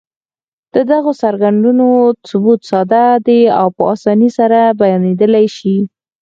د دغو څرګندونو ثبوت ساده دی او په اسانۍ سره بيانېدلای شي.